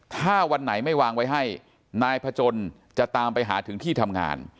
ถ้าวันไหนไม่วางไว้ให้นายพจนจะตามไปหาถึงที่ทำงาน